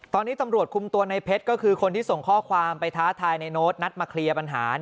ตอนนี้ตำรวจคุมตัวในเพชรก็คือคนที่ส่งข้อความไปท้าทายในโน้ตนัดมาเคลียร์ปัญหา